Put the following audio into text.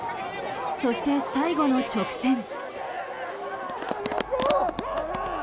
そして最後の直線。